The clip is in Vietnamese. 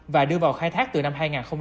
và đưa vào khai thác từ năm hai nghìn hai mươi